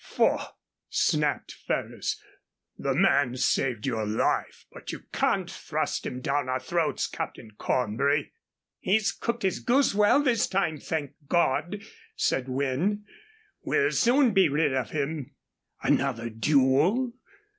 "Faugh!" snapped Ferrers. "The man saved your life, but you can't thrust him down our throats, Captain Cornbury." "He's cooked his goose well this time, thank God!" said Wynne. "We'll soon be rid of him." "Another duel?"